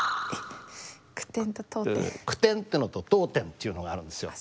句点ってのと読点っていうのがあるんですよ。